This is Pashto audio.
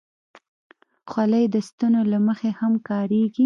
خولۍ د سنتو له مخې هم کارېږي.